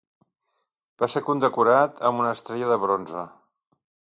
Va ser condecorat amb una Estrella de Bronze.